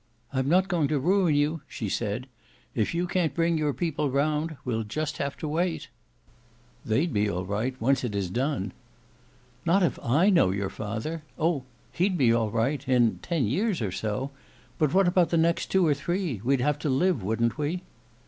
"I'm not going to ruin you," she said. "If you can't bring your people round, we'll just have to wait." "They'd be all right, once it is done." "Not if I know your father! Oh, he'd be all right in ten years or so. But what about the next two or three? We'd have to live, wouldn't we?"